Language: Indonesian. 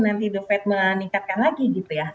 nanti the fed meningkatkan lagi gitu ya